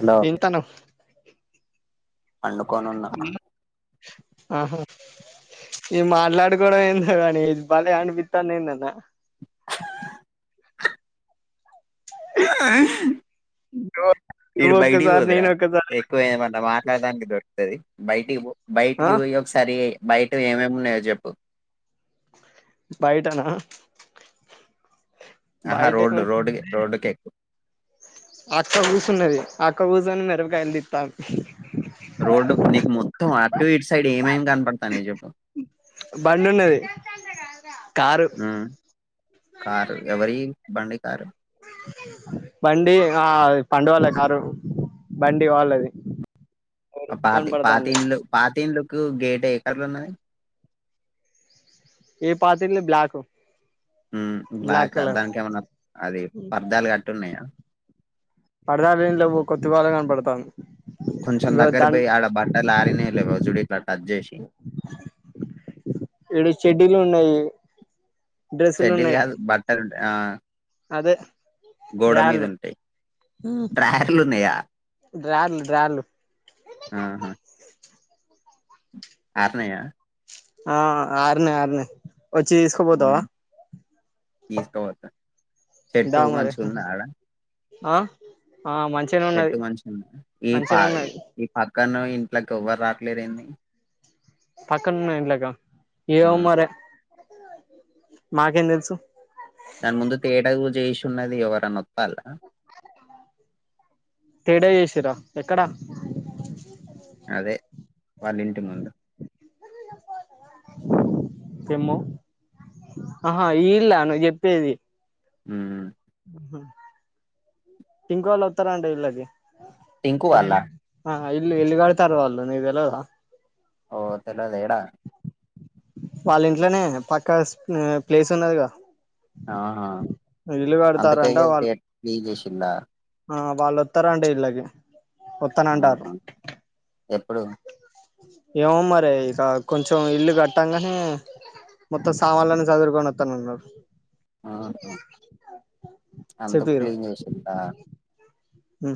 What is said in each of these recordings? hello ఎంతను అండుకోనున్నా ఆహా ఈ మాట్లాడుకోవడం ఏంధో కానీ భలే అనిపిస్తుంది ఏందన్నా లా ఆ నువ్వు వీడు నువ్వు బయటికీ ఒక్కసారి హోదరా నేను ఒక్కసారి ఎక్కువ ఏమన్నా మాట్లాడడానికి దొ ది బయటికి పో ఆ బయటికి పోయి ఒకసారి బయట ఏమేమిన్నాయో చెప్పు బయటనా ఆహా బయట రోడ్డు రోడ్డు రోడ్ కే ఆక్క కూర్చొని మిరపకాయ అందిస్తంది రోడ్డు నీకు మొత్తం అటు ఇటు సైడ్ ఏమేమి కనపడతానై చెప్పు బండి ఉన్నది కారు హు కారు ఎవరి ఈ బండి కారు బండి ఆ పండు వాళ్ళ కారు బండి వాళ్ళది పాతి కనపడతాంది పాతిండ్లు పాతిండ్లు కు గేట్ ఏ కలర్ ఉన్నది ఏ పాత ఇల్లు బ్లాక్ బ్లాక్ బ్లాకా కలర్ దానికి ఏమన్నా అది అద్దాలు కట్టి ఉన్నాయా పరదాలు ఏం లేవు ఒక తువ్వాల కనపడతాంది కొంచెం ఇంగో దగ్గర దాన్ పోయి ఆడ బట్టలు ఆరినయా లేవో జుడి ఇట్లా టచ్ చేసి ఈడ చెడ్డీలు ఉన్నాయి డ్రెస్సులు సెటిల్ ఉన్నాయి కాదు బట్టలు ఆ అదే గోడ మీద డ్రాళ్ళు ఉంటాయి డ్రాయర్లు ఉన్నాయా డ్రాయర్లు డ్రాయర్లు ఆహా ఆరినాయా ఆ ఆరినై ఆరినై వచ్చి తీసుకుపోతావా తీసుకుపోతా దా షర్ట్ మరి మంచిగా ఉంద ఆడ ఆ ఆ మంచిగనే షర్ట్ ఉన్నది మంచిగా ఉందా మంచిగనే ఉన్నది ఒక్కను ఇంట్లోకి ఎవ్వరు రాట్లేరేంది పక్కనున్న ఇంట్లోకా ఏమో మరే మాకేం తెలుసు దాని ముందు తేటగా చేయుచున్నది ఎవరన్నా వస్తారా తేటగా చేసిర్రా ఎక్కడ అదే వాళ్ళింటి ముందు ఎమ్మో ఆహా ఈ ఇల్లా నువ్వు చెప్పేది హుమ్ ఇంకోళ్ళు వస్తారు అంట టింకు అది వాళ్ళ ఇల్లు ఇల్లు కడతారు వాళ్ళు నీకు తెలవదా ఓ తెలవదు ఏడ వాళ్ళ ఇంట్లనే పక్కా ప్లేస్ ఉన్నదిగా ఆహా ఇల్లు అందుకి కడతారంట ఇగ వాళ్ళు అది క్లీన్ చేసిర్రా ఆ వాళ్ళు వస్తారంట ఇళ్ళకి వస్తానంటారు ఆహా, ఎప్పుడు ఏమో మరి ఇగా కొంచెం ఇల్లు కట్టాంగానే మొత్తం సామాన్లన్నీ సదురుకొని ఓత్తనన్నారు అందుకు క్లీన్ చేసింల్ల ఉ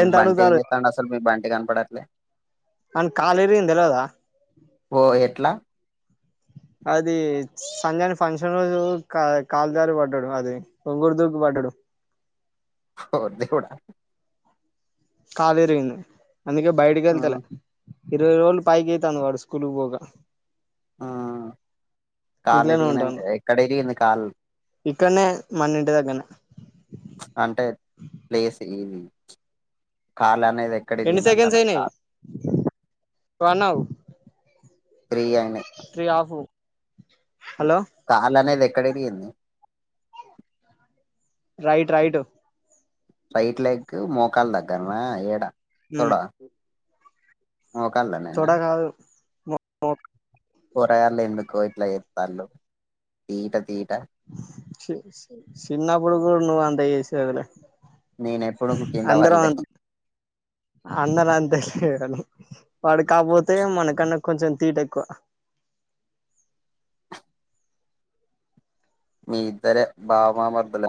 మీ బంటి ఏం చేస్తాండు అసలు మీ బంటి కనపడట్లే వానికి కాలు ఇరిగింది తెలవదా ఓ ఎట్లా అది సంజని ఫంక్షన్ రోజు కా కాల్ జారీ పడ్డాడు అది ఒంగుడు దుంగుడు పడ్డాడు [inaudible] ఓ దేవుడా కాల్ ఇరిగింది అందుకే బయటికి ఆ, ఎల్తలే ఇరవై రోజు పైకి అయితాంది వాడు స్కూల్ పోకా కాలు ఇంట్లోనే ఇరిగిన ఉంటాను ఎక్కడ ఇరిగింది కాలు ఇక్కడనే మన్ని ఇంటి దగ్గనే అంటే ప్లేస్ ఇది కార్ అనేది ఎక్కడిగిందంటన అన్న త్రీ ఆఫ కళ్ళు అనేది ఎక్కడదియంంది రైట్ రైట్ రైట్ లెగ్ మోకాలు దగ్గరనా ఏడా తొడ మొక్కలు దగర నా వ కురలో ఎందు కోయిట్లా ఎస్తాల తీట తోట చిన్నప్పుడు కూడా నువ్వు అంతా చేసగలే నేనెప్పుడు కింద వాళ్ళే అందన అంత తెలివాను వాడు కాకపోతే మనకు కన్న కొంచం తీట ఎక్కువ మీ ఇద్దర బావబమరిది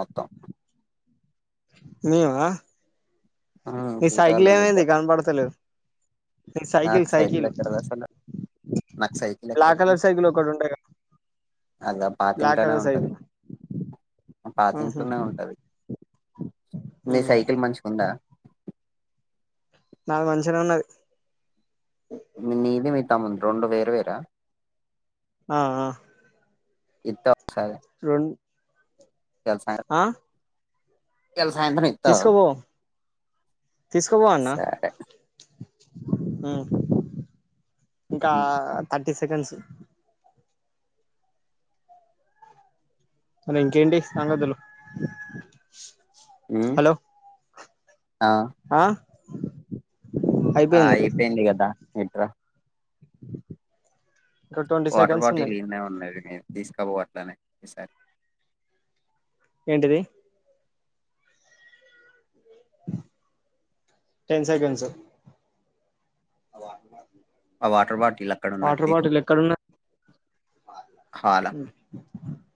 మీవా ఉమ్ మీ సైకిల్ తీటోళ్ళు మీ ఏమైంది ఇద్దరే కనపడతలేద్ సైకిల్ నాకు సైకిల్ ఎక్కడిది అసలు నాకు సైకిల్ బ్లాక్ ఎక్కడిది కలర్ సైకిల్ ఒకటి ఉండే కదా అదా బ్లాక్ పాతింట్లోనే కలర్ ఉంటది సైకిల్ ఉహు పాతింట్లోనే ఉంటది మీ ఉమ్ సైకిల్ మంచిగ్ ఉందా నాద్ మంచినే ఉన్నది నీది మి తమ్ముంది రెండు వేరువేరా ఆ ఆ ఇత్త ఒకసారి రన్ [unintelligible] ఎల సాయంత్రం ఇత్తావ తీసుకోపోవన్న హ్మ్ ఇంకా థర్టీ సెకండ్స్ మల ఇంకేంటి సంగదులు హ్మ్ ఆ ఆ ఆ అయిపోయింది అయిపెంది గదా ఇట్ర ఇంకా ట్వంటీ వాటర్ సెకండ్స్ బాటీల్ ఉన్నాయి ఈన్నే ఉన్నది నీది తీస్కపో అట్లనే ఈసారి ఏంటిది టెన్ సెకండ్స్ ఆ వాటర్ బాటిల్లు అక్కడ ఉన్నది పీకు హ్మ్